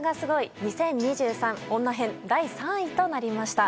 ２０２３女偏第３位となりました。